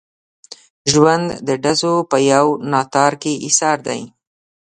ژوند د ډزو په یو ناتار کې ایسار دی.